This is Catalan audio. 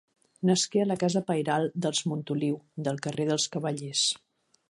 Nasqué a la casa pairal dels Montoliu, del carrer dels Cavallers.